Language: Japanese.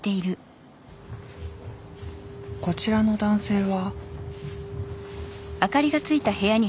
こちらの男性は？